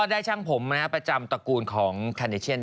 ได้ช่างผมประจำสถานทีตรบีของ